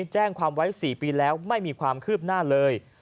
แจ้งความไว้๔ปีแล้วไม่มีความคืบหน้าเลย